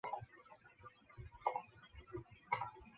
阿兰人口变化图示